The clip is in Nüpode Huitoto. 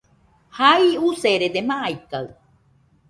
Jai userede, maikaɨ